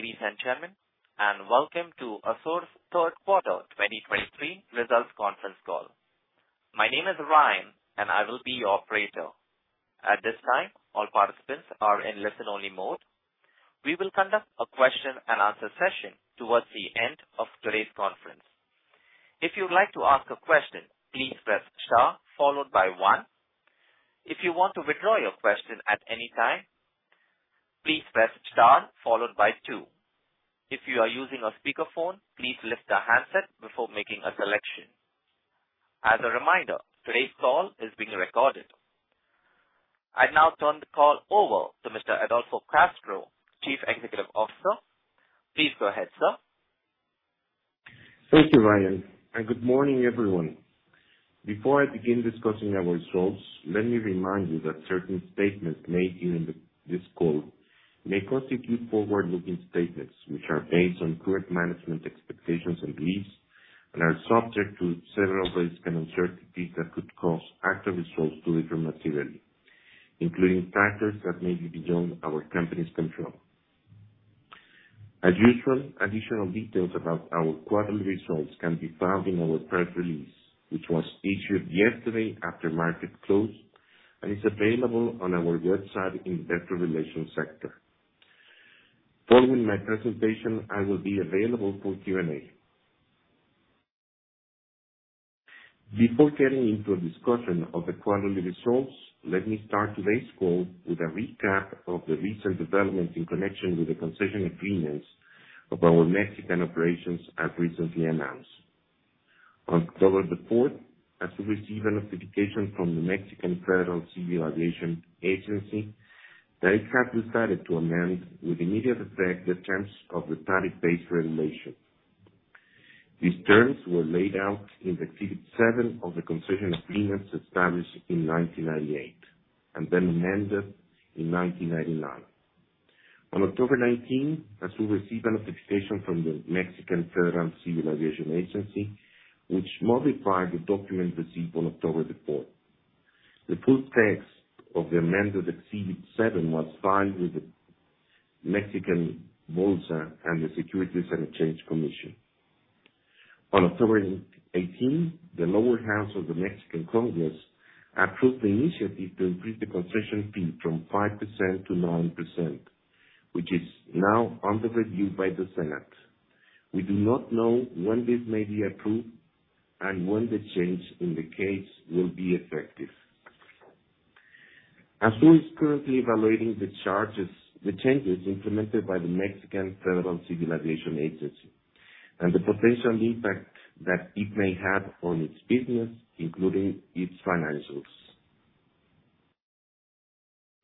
Ladies and gentlemen, welcome to ASUR's third quarter 2023 results conference call. My name is Ryan, and I will be your operator. At this time, all participants are in listen-only mode. We will conduct a question-and-answer session towards the end of today's conference. If you'd like to ask a question, please press star followed by one. If you want to withdraw your question at any time, please press star followed by two. If you are using a speakerphone, please lift the handset before making a selection. As a reminder, today's call is being recorded. I'd now turn the call over to Mr. Adolfo Castro, Chief Executive Officer. Please go ahead, sir. Thank you, Ryan, and good morning, everyone. Before I begin discussing our results, let me remind you that certain statements made during this call may constitute forward-looking statements, which are based on current management expectations and beliefs, and are subject to several risks and uncertainties that could cause actual results to differ materially, including factors that may be beyond our company's control. As usual, additional details about our quarterly results can be found in our press release, which was issued yesterday after market close, and is available on our website in investor relations sector. Following my presentation, I will be available for Q&A. Before getting into a discussion of the quarterly results, let me start today's call with a recap of the recent developments in connection with the concession agreements of our Mexican operations, as recently announced. On October the 4th, as we received a notification from the Mexican Federal Civil Aviation Agency, that it had decided to amend, with immediate effect, the terms of the tariff-based regulation. These terms were laid out in Exhibit Seven of the concession agreements established in 1998, and then amended in 1999. On October 19, as we received a notification from the Mexican Federal Civil Aviation Agency, which modified the document received on October the 4th. The full text of the amended Exhibit Seven was filed with the Mexican Bolsa and the Securities and Exchange Commission. On October 18, the lower house of the Mexican Congress approved the initiative to increase the concession fee from 5% to 9%, which is now under review by the Senate. We do not know when this may be approved and when the change in the case will be effective. ASUR is currently evaluating the charges, the changes implemented by the Mexican Federal Civil Aviation Agency, and the potential impact that it may have on its business, including its financials.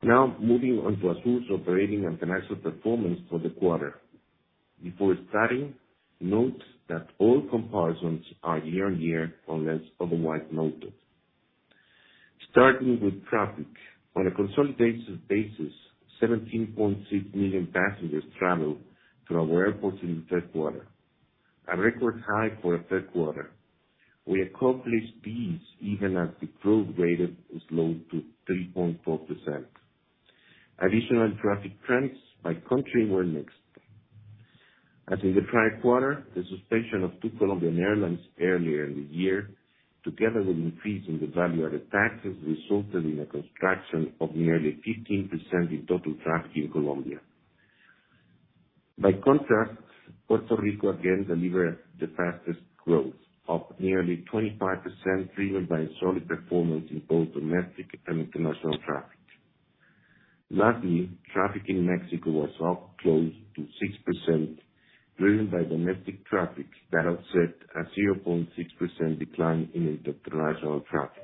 Now, moving on to ASUR's operating and financial performance for the quarter. Before starting, note that all comparisons are year-on-year, unless otherwise noted. Starting with traffic. On a consolidated basis, 17.6 million passengers traveled through our airports in the third quarter, a record high for a third quarter. We accomplished this even as the growth rate has slowed to 3.4%. Additional traffic trends by country were mixed. As in the prior quarter, the suspension of two Colombian airlines earlier in the year, together with an increase in the value-added taxes, resulted in a contraction of nearly 15% in total traffic in Colombia. By contrast, Puerto Rico again delivered the fastest growth, up nearly 25%, driven by solid performance in both domestic and international traffic. Lastly, traffic in Mexico was up close to 6%, driven by domestic traffic that offset a 0.6% decline in international traffic.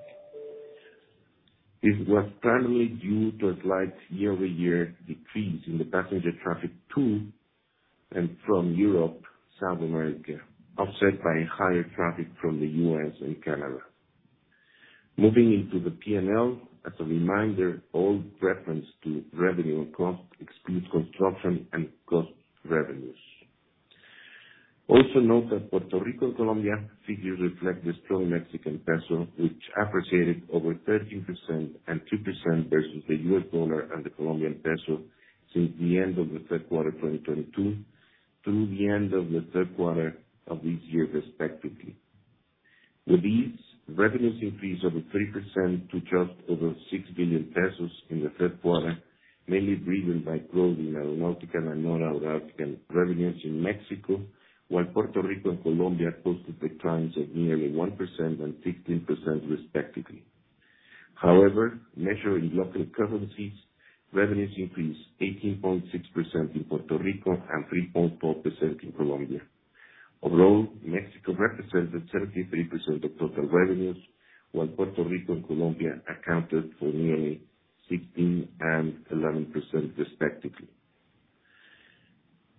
It was primarily due to a slight year-over-year decrease in the passenger traffic to and from Europe, South America, offset by higher traffic from the U.S. and Canada. Moving into the P&L, as a reminder, all reference to revenue and costs exclude construction and cost revenues. Also note that Puerto Rico and Colombia figures reflect the strong Mexican peso, which appreciated over 13% and 2% versus the U.S. dollar and the Colombian peso, since the end of the third quarter 2022 through the end of the third quarter of this year, respectively. With this, revenues increased over 3% to just over 6 billion pesos in the third quarter, mainly driven by growth in aeronautical and non-aeronautical revenues in Mexico, while Puerto Rico and Colombia posted declines of nearly 1% and 15% respectively. However, measured in local currencies, revenues increased 18.6% in Puerto Rico and 3.4% in Colombia. Although Mexico represented 73% of total revenues, while Puerto Rico and Colombia accounted for nearly 16% and 11%, respectively.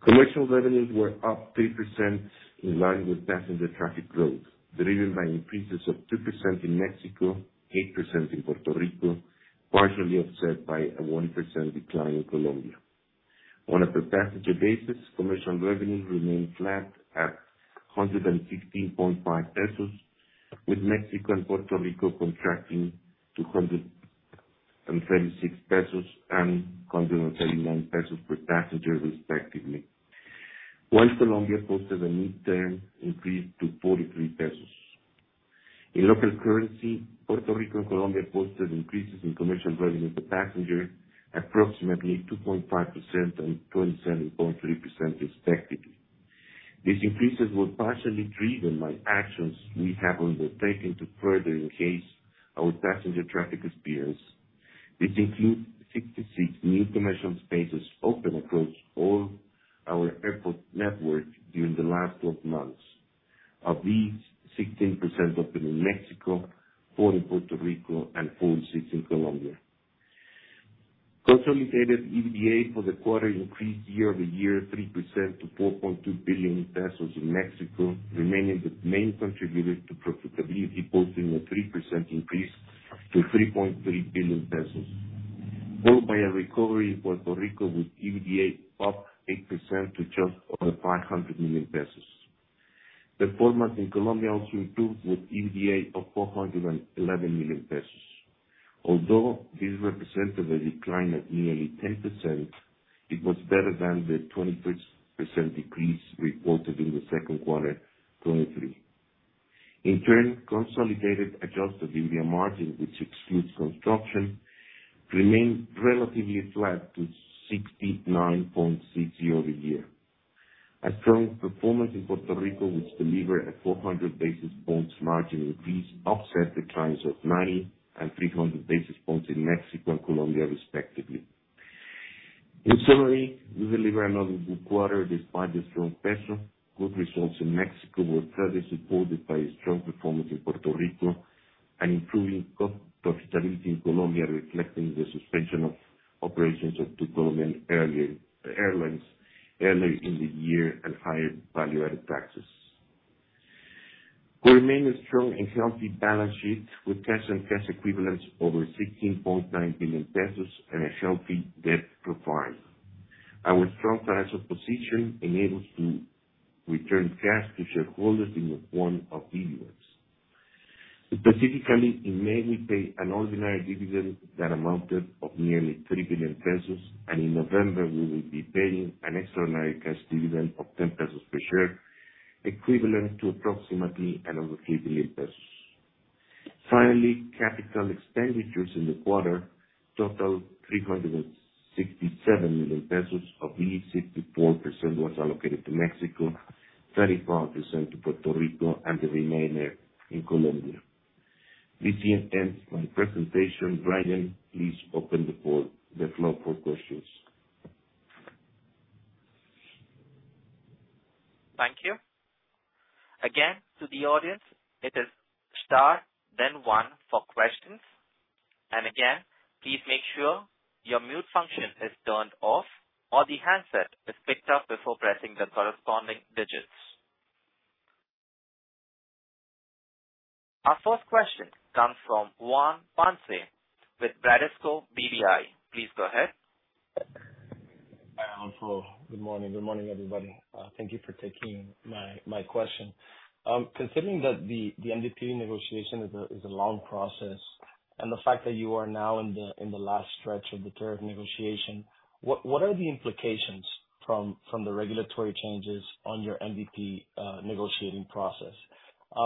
Commercial revenues were up 3%, in line with passenger traffic growth, driven by increases of 2% in Mexico, 8% in Puerto Rico, partially offset by a 1% decline in Colombia. On a per-passenger basis, commercial revenue remained flat at 116.5 pesos, with Mexico and Puerto Rico contracting to 136 pesos and 139 pesos per passenger respectively. In Colombia posted a midterm increase to 43 pesos. In local currency, Puerto Rico and Colombia posted increases in commercial revenue per passenger, approximately 2.5% and 27.3% respectively. These increases were partially driven by actions we have undertaken to further increase our passenger traffic experience, which include 66 new commercial spaces open across all our airport network during the last 12 months. Of these, 16 opened in Mexico, four in Puerto Rico, and 46 in Colombia. Consolidated EBITDA for the quarter increased year-over-year 3% to 4.2 billion pesos in Mexico, remaining the main contributor to profitability, posting a 3% increase to 3.3 billion pesos. Followed by a recovery in Puerto Rico, with EBITDA up 8% to just over 500 million pesos. Performance in Colombia also improved, with EBITDA of 411 million pesos. Although this represented a decline of nearly 10%, it was better than the 23% decrease reported in the second quarter, 2023. In turn, consolidated adjusted EBITDA margin, which excludes construction, remained relatively flat to 69.6 year-over-year. A strong performance in Puerto Rico, which delivered a 400 basis points margin increase, offset declines of 90 and 300 basis points in Mexico and Colombia, respectively. In summary, we delivered another good quarter despite the strong peso. Good results in Mexico were further supported by a strong performance in Puerto Rico and improving core profitability in Colombia, reflecting the suspension of operations of two Colombian airlines earlier in the year and higher value-added taxes. We maintain a strong and healthy balance sheet, with cash and cash equivalents over 16.9 billion pesos and a healthy debt profile. Our strong financial position enables us to return cash to shareholders in the form of dividends. Specifically, we made a payment of an ordinary dividend that amounted to nearly 3 billion pesos, and in November, we will be paying an extraordinary cash dividend of 10 pesos per share, equivalent to approximately another 3 billion pesos. Finally, capital expenditures in the quarter totaled 367 million pesos. Of these, 64% was allocated to Mexico, 35% to Puerto Rico, and the remainder in Colombia. This here ends my presentation. Ryan, please open the floor for questions. Thank you. Again, to the audience, it is star, then one for questions. And again, please make sure your mute function is turned off or the handset is picked up before pressing the corresponding digits. Our first question comes from Juan Ponce with Bradesco BBI. Please go ahead. Hi, Adolfo. Good morning. Good morning, everybody. Thank you for taking my question. Considering that the MDP negotiation is a long process, and the fact that you are now in the last stretch of the tariff negotiation, what are the implications from the regulatory changes on your MDP negotiating process?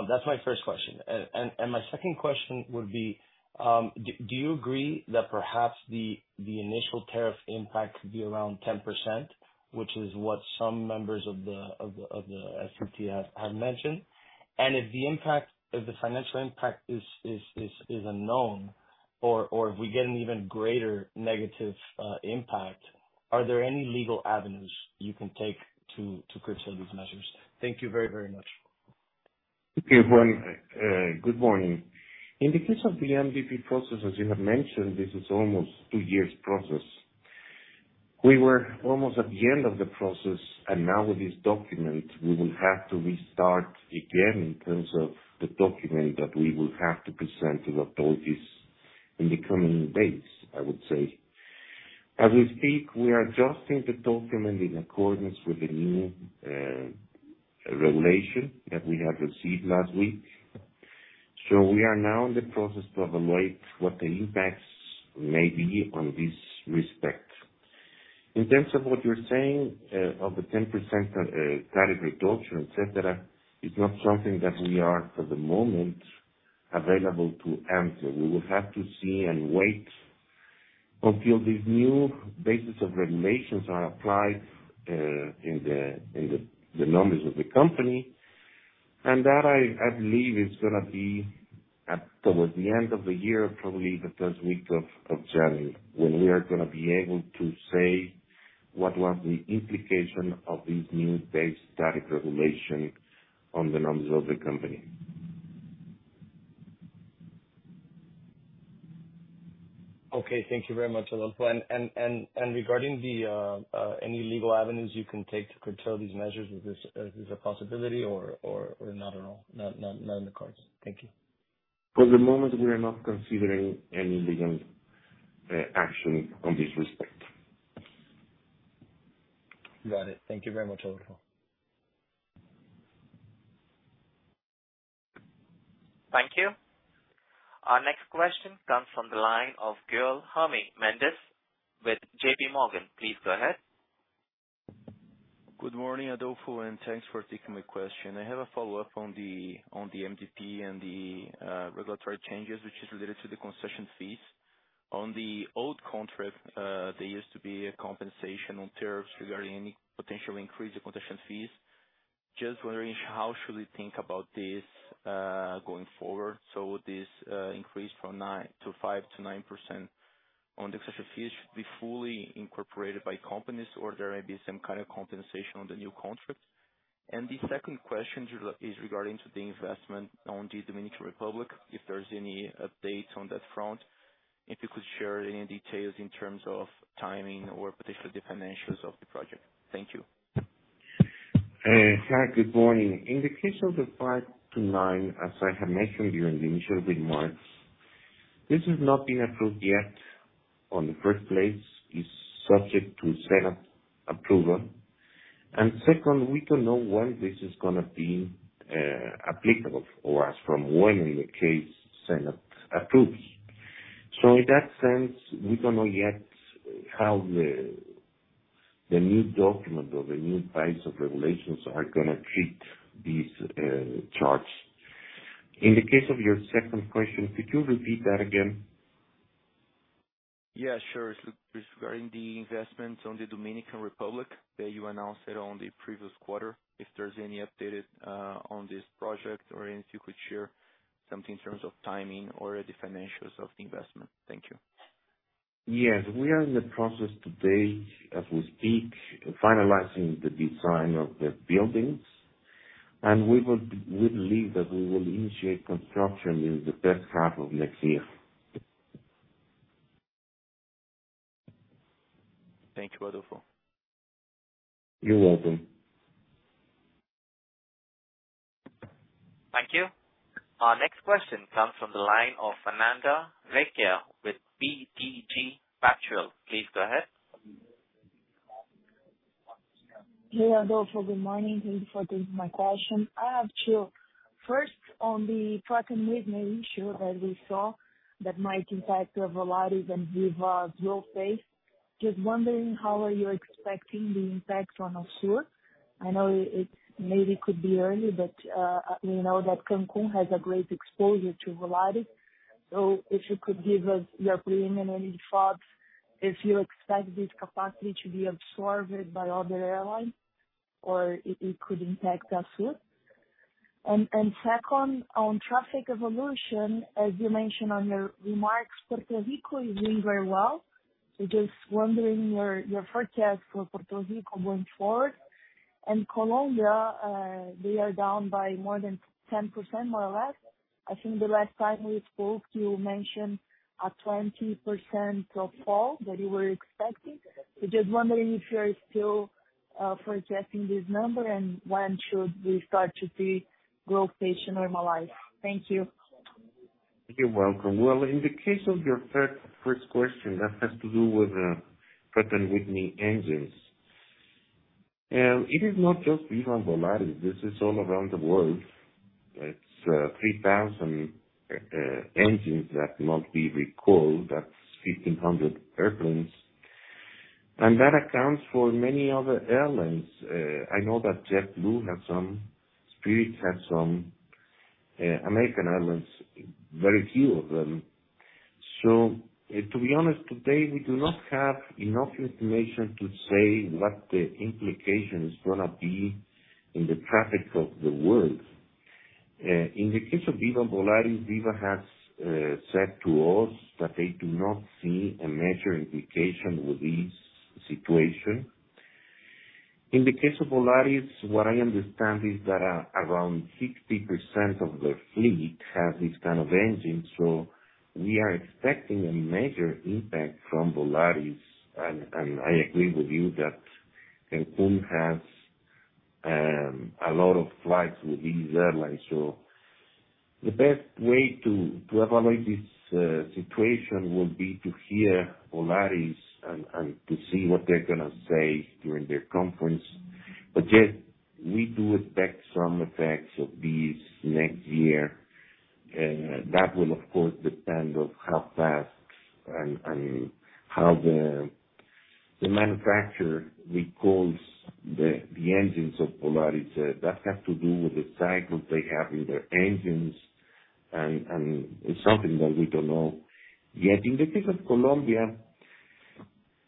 That's my first question. And my second question would be, do you agree that perhaps the initial tariff impact could be around 10%, which is what some members of the SICT have mentioned? And if the impact, if the financial impact is unknown, or if we get an even greater negative impact, are there any legal avenues you can take to curtail these measures? Thank you very much. Okay, Juan. Good morning. In the case of the MDP process, as you have mentioned, this is almost two years process. We were almost at the end of the process, and now with this document, we will have to restart again in terms of the document that we will have to present to the authorities in the coming days, I would say. As we speak, we are adjusting the document in accordance with the new regulation that we have received last week. So we are now in the process to evaluate what the impacts may be on this respect. In terms of what you're saying, of the 10% tariff reduction, et cetera, is not something that we are, for the moment, available to answer. We will have to see and wait until these new basis of regulations are applied in the numbers of the company. And that, I believe, is gonna be at towards the end of the year, probably the first week of January, when we are gonna be able to say what was the implication of these new base tariff regulation on the numbers of the company. Okay, thank you very much, Adolfo. And regarding any legal avenues you can take to curtail these measures, is this a possibility or not at all? Not in the cards. Thank you. For the moment, we are not considering any legal action on this respect. Got it. Thank you very much, Adolfo. Thank you. Our next question comes from the line of Guilherme Mendes with JPMorgan. Please go ahead. Good morning, Adolfo, and thanks for taking my question. I have a follow-up on the MDP and the regulatory changes, which is related to the concession fees. On the old contract, there used to be a compensation on tariffs regarding any potential increase in concession fees. Just wondering, how should we think about this going forward? So would this increase from 5% to 9% on the concession fees be fully incorporated by companies, or there may be some kind of compensation on the new contract? And the second question is regarding the investment on the Dominican Republic, if there's any update on that front, if you could share any details in terms of timing or potentially the financials of the project. Thank you. Hi, good morning. In the case of the 5% to 9%, as I have mentioned during the initial remarks, this has not been approved yet. On the first place, it's subject to Senate approval. And second, we don't know when this is gonna be applicable for us, from when, in the case Senate approves. So in that sense, we don't know yet how the new document or the new types of regulations are gonna treat these charts. In the case of your second question, could you repeat that again? Yeah, sure. It's regarding the investments on the Dominican Republic, that you announced it on the previous quarter, if there's any updated on this project, or if you could share something in terms of timing or the financials of the investment. Thank you. Yes, we are in the process today, as we speak, finalizing the design of the buildings, and we believe that we will initiate construction in the first half of next year. Thank you, Adolfo. You're welcome. Thank you. Our next question comes from the line of Fernanda Recchia with BTG Pactual. Please go ahead. Hey, Adolfo. Good morning. Thank you for taking my question. I have two. First, on the Pratt & Whitney issue that we saw, that might impact Volaris and Viva's airspace. Just wondering, how are you expecting the impact on ASUR? I know it maybe could be early, but we know that Cancún has a great exposure to Volaris. So if you could give us your preliminary thoughts, if you expect this capacity to be absorbed by other airlines, or it could impact us too. And second, on traffic evolution, as you mentioned on your remarks, Puerto Rico is doing very well. So just wondering your forecast for Puerto Rico going forward. And Colombia, they are down by more than 10%, more or less. I think the last time we spoke, you mentioned a 20% fall that you were expecting. Just wondering if you are still projecting this number, and when should we start to see growth pattern normalized? Thank you. You're welcome. Well, in the case of your first, first question, that has to do with Pratt & Whitney engines. It is not just Volaris, this is all around the world. It's 3,000 engines that must be recalled, that's 1,500 airplanes. And that accounts for many other airlines. I know that JetBlue have some, Spirit has some, American Airlines, very few of them. So to be honest, today, we do not have enough information to say what the implication is gonna be in the traffic of the world. In the case of Viva, Volaris, Viva has said to us that they do not see a major implication with this situation. In the case of Volaris, what I understand is that around 60% of their fleet have this kind of engine, so we are expecting a major impact from Volaris. And I agree with you that Cancún has a lot of flights with these airlines. So the best way to evaluate this situation would be to hear Volaris and to see what they're gonna say during their conference. But yes, we do expect some effects of this next year that will, of course, depend on how fast and how the manufacturer recalls the engines of Volaris. That have to do with the cycles they have in their engines, and it's something that we don't know yet. In the case of Colombia,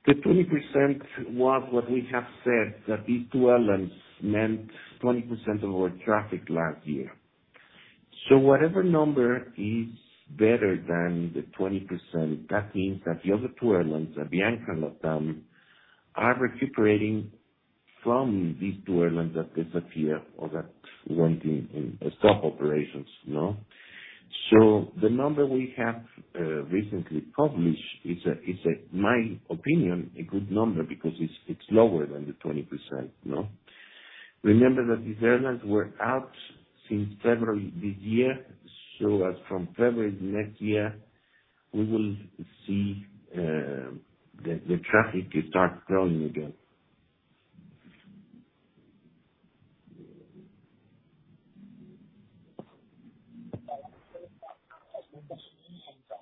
the 20% was what we have said, that these two airlines meant 20% of our traffic last year. So whatever number is better than the 20%, that means that the other two airlines, Avianca and LATAM, are recuperating from these two airlines that disappear or that went in stop operations, no? So the number we have recently published is, in my opinion, a good number, because it's lower than the 20%, no? Remember that these airlines were out since February this year, so as from February next year, we will see the traffic to start growing again.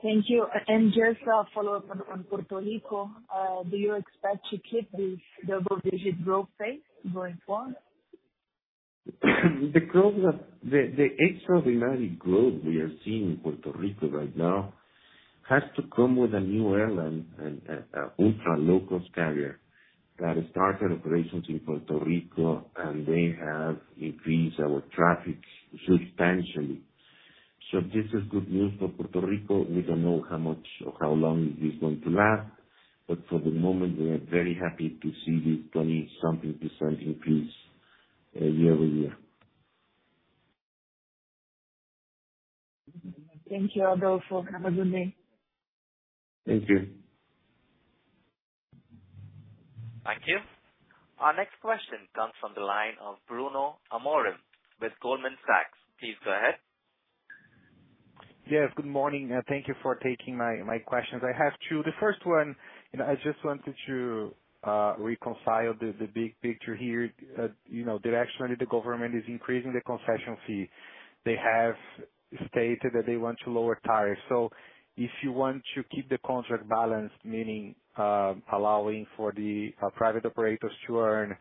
Thank you. And just a follow-up on Puerto Rico, do you expect to keep this double-digit growth pace going forward? The extraordinary growth we are seeing in Puerto Rico right now has to come with a new airline and ultra low-cost carrier that started operations in Puerto Rico, and they have increased our traffic substantially. So this is good news for Puerto Rico. We don't know how much or how long this is going to last, but for the moment, we are very happy to see this 20-something percent increase year-over-year. Thank you, Adolfo. Have a good day. Thank you. Thank you. Our next question comes from the line of Bruno Amorim with Goldman Sachs. Please go ahead. Yes, good morning, and thank you for taking my questions. I have two. The first one, you know, I just wanted to reconcile the big picture here. You know, actually, the government is increasing the concession fee. They have stated that they want to lower tariffs. So if you want to keep the contract balanced, meaning allowing for the private operators to earn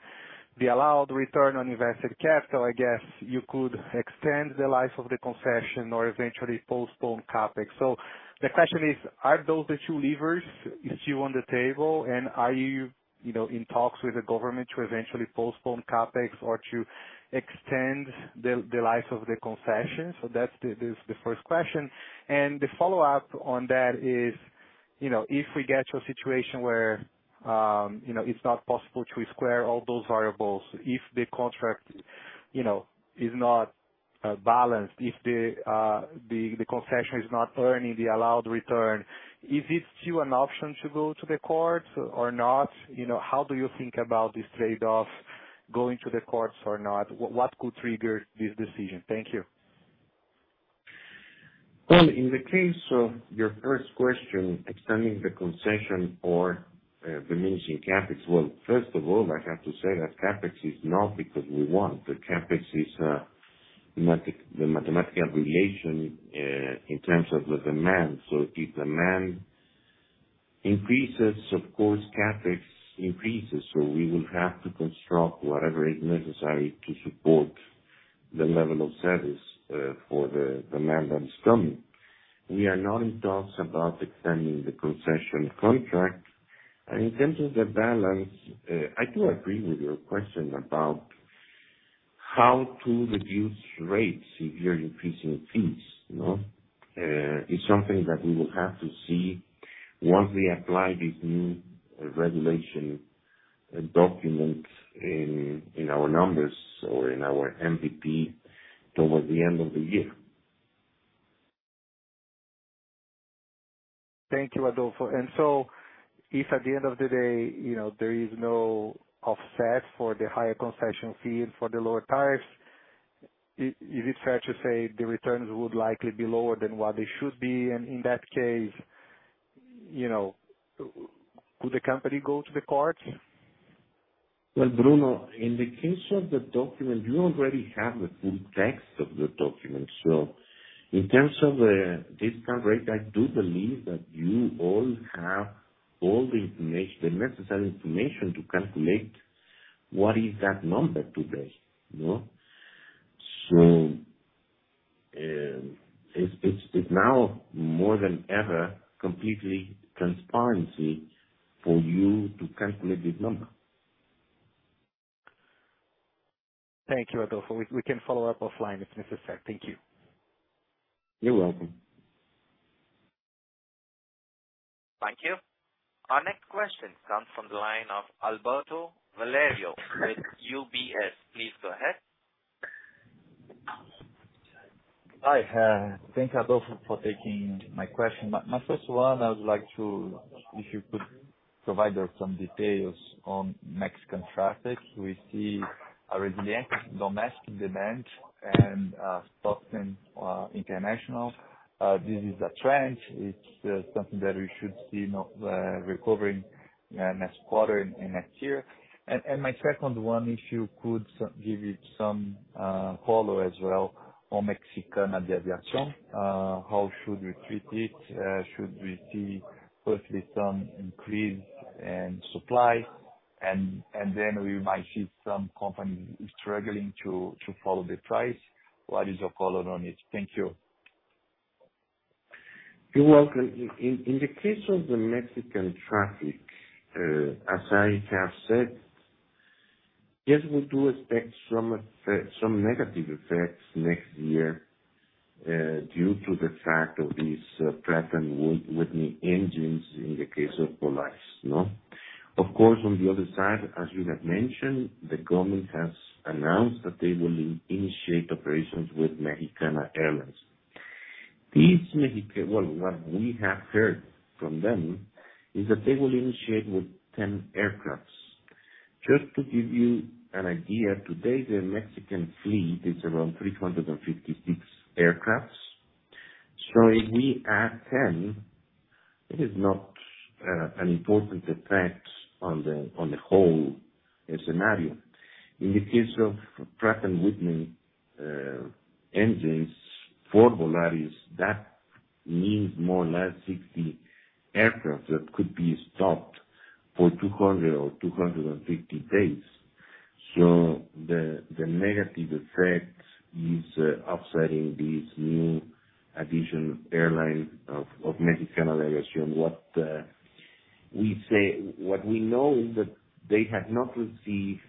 the allowed return on invested capital, I guess you could extend the life of the concession or eventually postpone CapEx. So the question is, are those the two levers you see on the table? And are you, you know, in talks with the government to eventually postpone CapEx or to extend the life of the concession? So that's the first question. The follow-up on that is, you know, if we get to a situation where, you know, it's not possible to square all those variables, if the contract, you know, is not the concession is not earning the allowed return, is it still an option to go to the court or not? You know, how do you think about this trade-off, going to the courts or not? What could trigger this decision? Thank you. Well, in the case of your first question, extending the concession or diminishing CapEx. Well, first of all, I have to say that CapEx is not because we want. The CapEx is the mathematical relation in terms of the demand. So if demand increases, of course, CapEx increases, so we will have to construct whatever is necessary to support the level of service for the demand that is coming. We are not in talks about extending the concession contract. And in terms of the balance, I do agree with your question about how to reduce rates if you're increasing fees, you know? It's something that we will have to see once we apply this new regulation document in our numbers or in our MDP towards the end of the year. Thank you, Adolfo. And so if at the end of the day, you know, there is no offset for the higher concession fee and for the lower tariffs, is it fair to say the returns would likely be lower than what they should be? And in that case, you know, could the company go to the court? Well, Bruno, in the case of the document, you already have the full text of the document. So in terms of the discount rate, I do believe that you all have all the information, the necessary information to calculate what is that number today, you know? So, it's now more than ever, completely transparency for you to calculate this number. Thank you, Adolfo. We can follow up offline if necessary. Thank you. You're welcome. Thank you. Our next question comes from the line of Alberto Valerio with UBS. Please go ahead. Hi, thanks, Adolfo, for taking my question. My, my first one, I would like to... If you could provide us some details on Mexican traffic. We see a resilient domestic demand and strong international. This is a trend. It's something that we should see now recovering next quarter and next year. And my second one, if you could give it some color as well on Mexicana de Aviación. How should we treat it? Should we see firstly some increase in supply and then we might see some companies struggling to follow the price. What is your color on it? Thank you. You're welcome. In the case of the Mexican traffic, as I have said, yes, we do expect some negative effects next year, due to the fact of this Pratt & Whitney engines in the case of Volaris, you know? Of course, on the other side, as you have mentioned, the government has announced that they will initiate operations with Mexicana Airlines. These Mexicana—well, what we have heard from them, is that they will initiate with 10 aircraft. Just to give you an idea, today, the Mexican fleet is around 356 aircraft. So if we add 10, it is not an important effect on the whole scenario. In the case of Pratt & Whitney engines for Volaris, that means more or less 60 aircrafts that could be stopped for 200 or 250 days. So the negative effect is offsetting these new addition airlines of Mexicana de Aviación. What we know is that they have not received,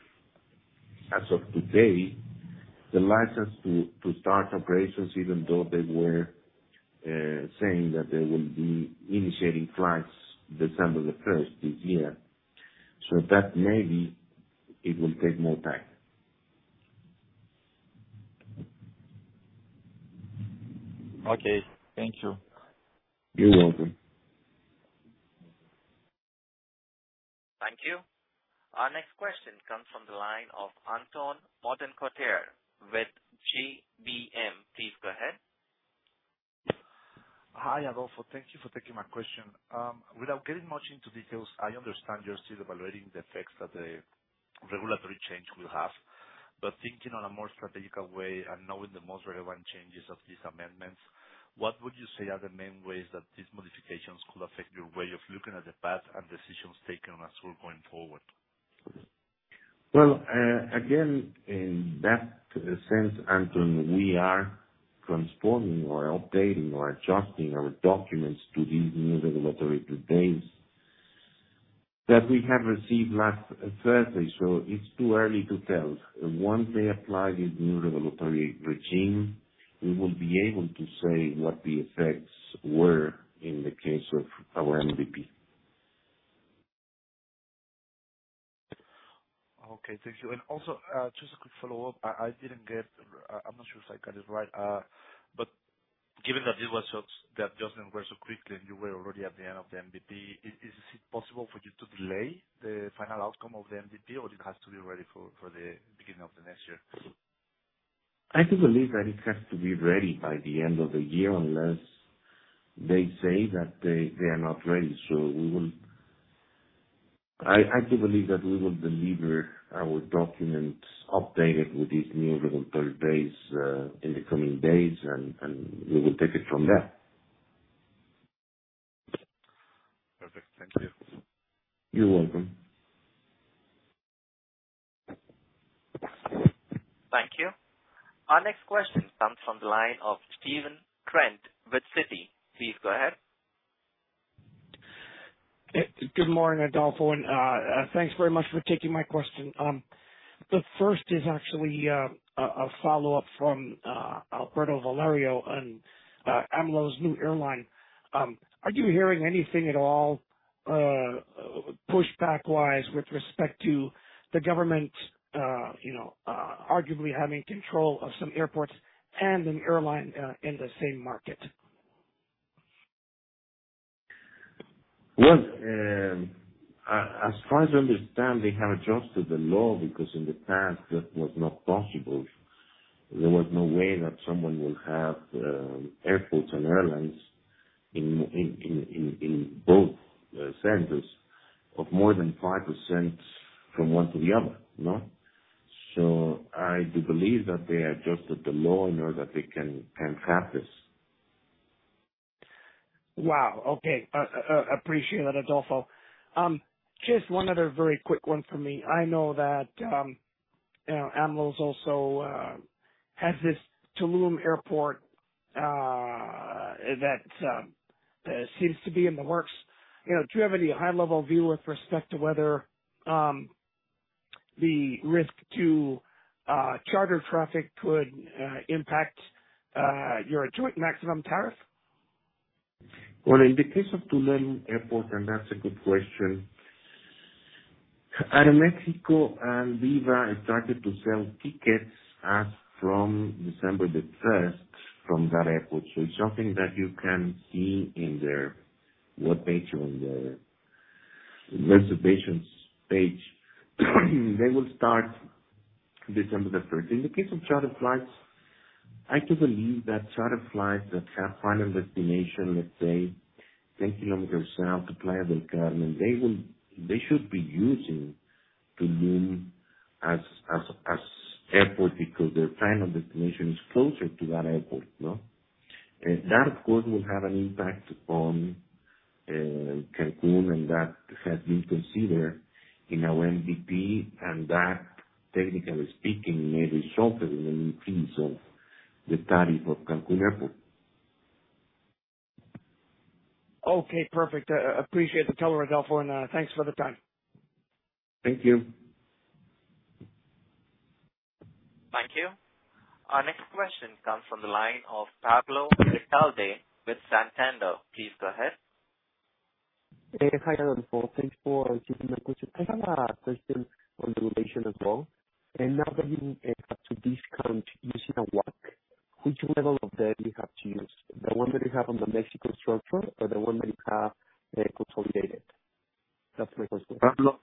as of today, the license to start operations, even though they were saying that they will be initiating flights December the 1st, this year. So that maybe it will take more time. Okay. Thank you. You're welcome. Thank you. Our next question comes from the line of Anton Mortenkotter with GBM. Please go ahead. Hi, Adolfo. Thank you for taking my question. Without getting much into details, I understand you're still evaluating the effects that the regulatory change will have, but thinking on a more strategic way and knowing the most relevant changes of these amendments, what would you say are the main ways that these modifications could affect your way of looking at the path and decisions taken as we're going forward? Well, again, in that sense, Anton, we are transforming or updating or adjusting our documents to these new regulatory demands that we have received last Thursday, so it's too early to tell. Once they apply this new regulatory regime, we will be able to say what the effects were in the case of our MDP. Okay. Thank you. Also, just a quick follow-up. I didn't get... I'm not sure if I got it right, but given that this was so- that doesn't work so quickly, and you were already at the end of the MDP, is it possible for you to delay the final outcome of the MDP, or does it have to be ready for the beginning of the next year? I do believe that it has to be ready by the end of the year, unless they say that they are not ready. So we will... I do believe that we will deliver our documents updated with these new regulatory basis in the coming days, and we will take it from there. Perfect. Thank you. You're welcome. Thank you. Our next question comes from the line of Stephen Trent with Citi. Please go ahead. Good morning, Adolfo, and thanks very much for taking my question. The first is actually a follow-up from Alberto Valerio on AMLO's new airline. Are you hearing anything at all pushback-wise, with respect to the government you know arguably having control of some airports and an airline in the same market? Well, as far as I understand, they have adjusted the law, because in the past, that was not possible. There was no way that someone will have airports and airlines in both centers of more than 5% from one to the other, no? So I do believe that they adjusted the law in order that they can have this. Wow! Okay. Appreciate that, Adolfo. Just one other very quick one for me. I know that, you know, AMLO's also has this Tulum Airport that seems to be in the works. You know, do you have any high-level view with respect to whether the risk to charter traffic could impact your maximum tariff? Well, in the case of Tulum Airport, and that's a good question, Aeroméxico and Viva started to sell tickets as from December the 1st from that airport. So it's something that you can see in their webpage, on the reservations page. They will start December the 1st. In the case of charter flights, I do believe that charter flights that have final destination, let's say 10 km south to Playa del Carmen, they should be using Tulum as, as, as airport, because their final destination is closer to that airport, no? That, of course, will have an impact on Cancún, and that has been considered in our MDP, and that, technically speaking, may result in an increase of the tariff of Cancún Airport. Okay, perfect. Appreciate the call, Adolfo, and thanks for the time. Thank you. Thank you. Our next question comes from the line of Pablo Ricalde with Santander. Please go ahead. Hi, Adolfo. Thanks for taking my question. I have a question on the regulation as well. And now that you have to discount using a WACC, which level of debt you have to use? The one that you have on the Mexico structure or the one that you have, consolidated? Pablo,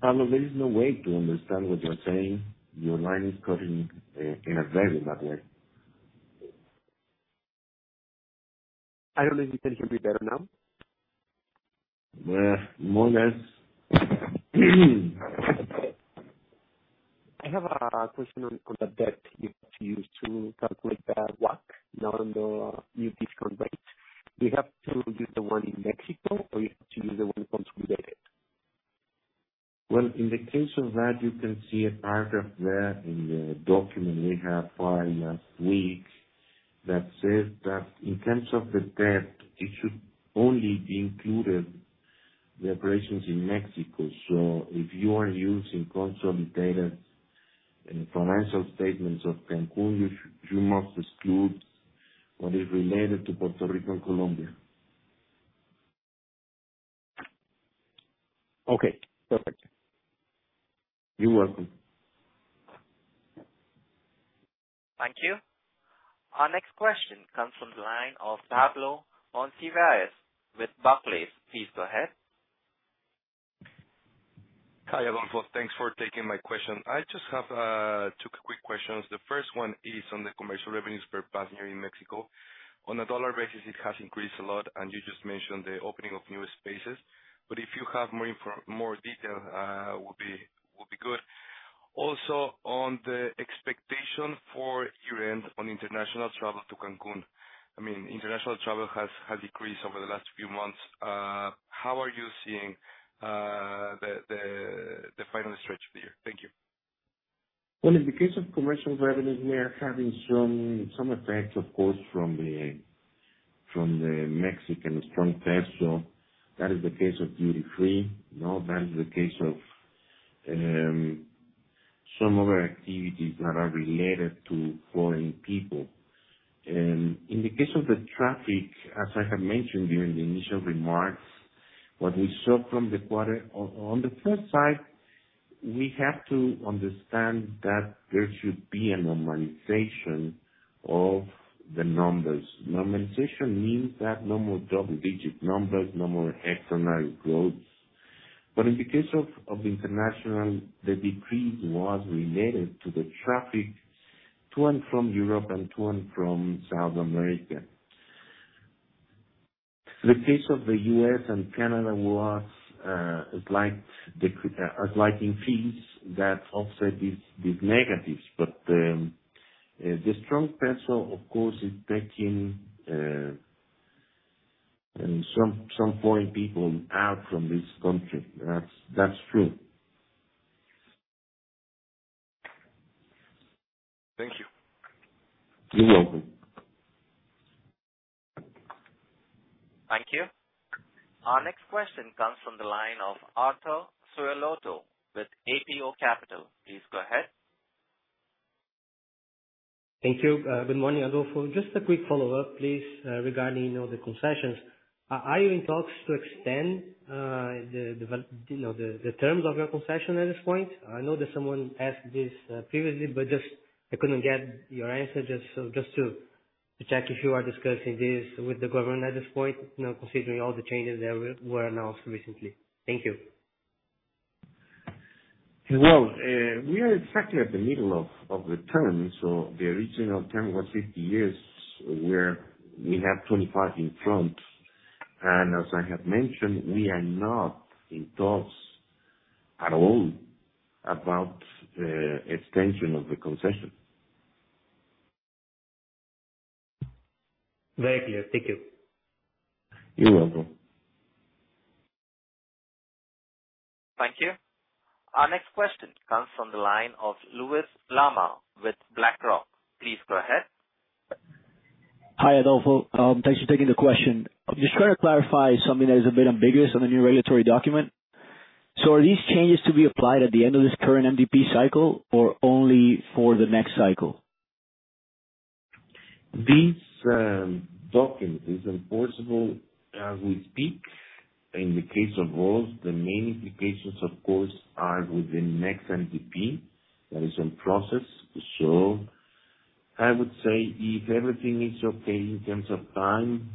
Pablo, there is no way to understand what you're saying. Your line is cutting in a very bad way. I don't know if it can be better now? More or less. I have a question on the debt you've used to calculate the WACC, not on the new discount rate. Do you have to use the one in Mexico or you have to use the one consolidated? Well, in the case of that, you can see a paragraph there in the document we have filed last week, that says that in terms of the debt, it should only include the operations in Mexico. So if you are using consolidated financial statements of Cancún, you must exclude what is related to Puerto Rico and Colombia. Okay, perfect. You're welcome. Thank you. Our next question comes from the line of Pablo Monsivais with Barclays. Please go ahead. Hi, Adolfo. Thanks for taking my question. I just have two quick questions. The first one is on the commercial revenues per passenger in Mexico. On a dollar basis, it has increased a lot, and you just mentioned the opening of new spaces, but if you have more detail, would be good. Also, on the expectation for year-end on international travel to Cancún, I mean, international travel has decreased over the last few months. How are you seeing the final stretch of the year? Thank you. Well, in the case of commercial revenues, we are having some effects, of course, from the Mexican strong peso. That is the case of duty-free, you know, that is the case of some other activities that are related to foreign people. In the case of the traffic, as I have mentioned during the initial remarks, what we saw from the quarter... On the first side, we have to understand that there should be a normalization of the numbers. Normalization means that no more double-digit numbers, no more extraordinary growth. But in the case of international, the decrease was related to the traffic to and from Europe and to and from South America. The case of the U.S. and Canada was a slight increase that offset these negatives. But, the strong peso, of course, is taking in some point people out from this country. That's true. Thank you. You're welcome. Thank you. Our next question comes from the line of Arthur Suelotto with Apo Capital. Please go ahead. Thank you. Good morning, Adolfo. Just a quick follow-up, please, regarding, you know, the concessions. Are you in talks to extend the, you know, the terms of your concession at this point? I know that someone asked this previously, but just I couldn't get your answer. Just to check if you are discussing this with the government at this point, you know, considering all the changes that were announced recently. Thank you. Well, we are exactly at the middle of the term, so the original term was 50 years, where we have 25 in front, and as I have mentioned, we are not in talks at all about the extension of the concession. Very clear. Thank you. You're welcome. Thank you. Our next question comes from the line of Luis Lama with BlackRock. Please go ahead. Hi, Adolfo. Thanks for taking the question. I'm just trying to clarify something that is a bit ambiguous on the new regulatory document. So are these changes to be applied at the end of this current MDP cycle or only for the next cycle? This document is enforceable as we speak. In the case of roles, the main implications, of course, are within next MDP. That is in process. So I would say if everything is okay in terms of time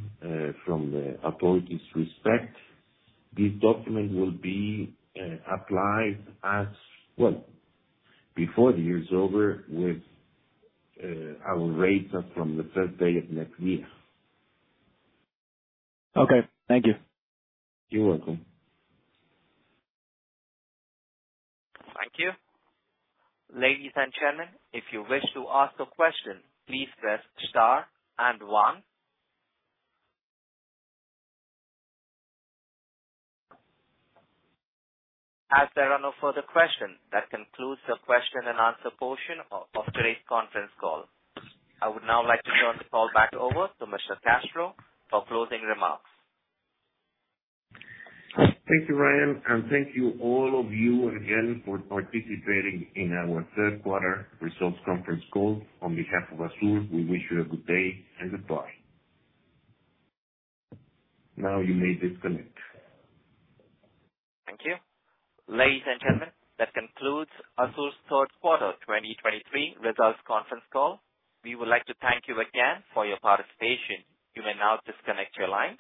from the authorities' respect, this document will be applied as well before the year is over, with our rate from the first day of next year. Okay. Thank you. You're welcome. Thank you. Ladies and gentlemen, if you wish to ask a question, please press star and one. As there are no further questions, that concludes the question and answer portion of today's conference call. I would now like to turn the call back over to Mr. Castro for closing remarks. Thank you, Ryan, and thank you all of you again for participating in our third quarter results conference call. On behalf of ASUR, we wish you a good day and goodbye. Now you may disconnect. Thank you. Ladies and gentlemen, that concludes ASUR's third quarter 2023 results conference call. We would like to thank you again for your participation. You may now disconnect your lines.